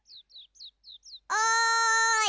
おい！